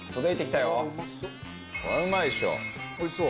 おいしそう。